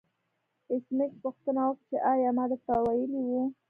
ایس میکس پوښتنه وکړه چې ایا ما درته ویلي وو